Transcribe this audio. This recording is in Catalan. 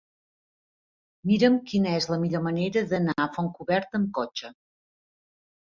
Mira'm quina és la millor manera d'anar a Fontcoberta amb cotxe.